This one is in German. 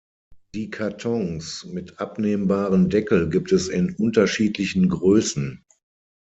Die Kartons mit abnehmbaren Deckel gibt es in unterschiedlichen Größen.